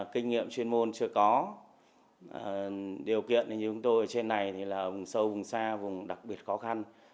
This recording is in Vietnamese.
kinh nghiệm chuyên môn chưa có điều kiện như chúng tôi ở trên này thì là vùng sâu vùng xa vùng đặc biệt khó khăn